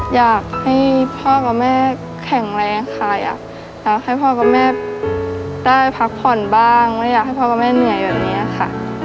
อยากให้พ่อกับแม่ได้พักผ่อนบ้างไม่อยากให้พ่อกับแม่เหนื่อยแบบนี้ค่ะ